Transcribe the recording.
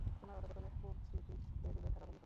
তোমার অধঃপতনের কূস্মৃতিতে ডুবে থাকা বন্ধ করো।